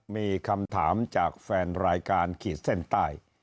มีคำถามจากแฟนรายการขีดเส้นใต้